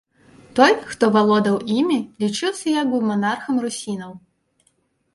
Той, хто валодаў імі, лічыўся як бы манархам русінаў.